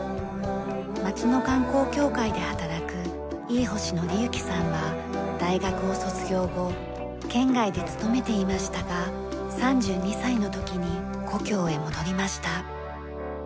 町の観光協会で働く飯干記章さんは大学を卒業後県外で勤めていましたが３２歳の時に故郷へ戻りました。